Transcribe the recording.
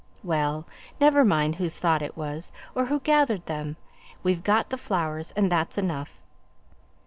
"Well, never mind whose thought it was, or who gathered them; we've got the flowers, and that's enough.